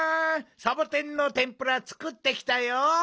サボテンのてんぷらつくってきたよ！